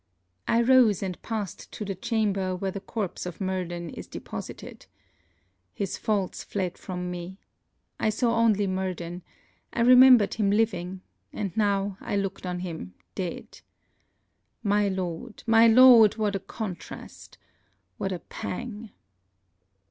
I rose and passed to the chamber where the corpse of Murden is deposited. His faults fled from me. I saw only Murden, I remembered him living, and now I looked on him dead. My Lord, my Lord, what a contrast! What a pang!